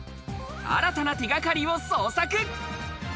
新たな手がかりを捜索。